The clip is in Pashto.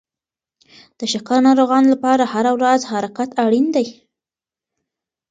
د شکر ناروغانو لپاره هره ورځ حرکت اړین دی.